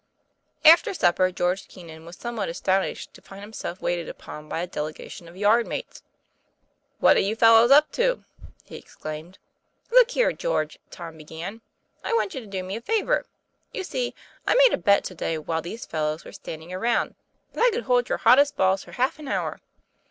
After supper George Keenan was somewhat as tonished to find himself waited upon by a delega tion of yard mates. 'What are you fellows up to?" he exclaimed. "Look here, George," Tom began, "I want you to do me a favor. You see I made a bet to day, while these fellows were standing around, that I could hold your hottest balls for half an hour.